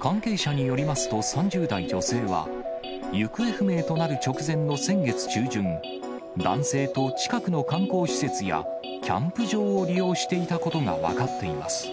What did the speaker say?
関係者によりますと、３０代女性は、行方不明となる直前の先月中旬、男性と近くの観光施設やキャンプ場を利用していたことが分かっています。